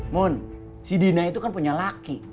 moon si dina itu kan punya laki